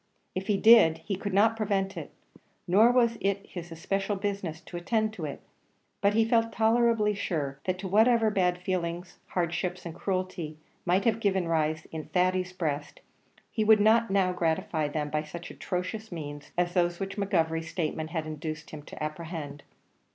If he did, he could not prevent it nor was it his especial business to attend to it; but he felt tolerably sure that to whatever bad feelings hardships and cruelty might have given rise in Thady's breast, he would not now gratify them by such atrocious means as those which McGovery's statement had induced him to apprehend.